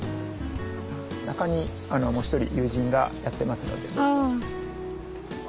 中にもう一人友人がやってますので。